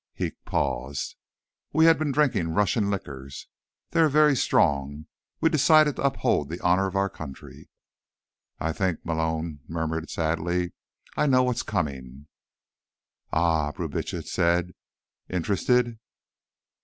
He paused. "We had been drinking Russian liquors. They are very strong. We decided to uphold the honor of our country." "I think," Malone murmured sadly, "I know what's coming." "Ah?" Brubitsch said, interested.